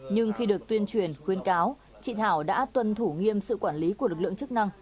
nhưng khi được tuyên truyền khuyên cáo chị thảo đã tuân thủ nghiêm sự quản lý của lực lượng chức năng